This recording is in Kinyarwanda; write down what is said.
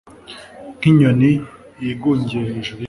nk'inyoni yigungiye hejuru y'inzu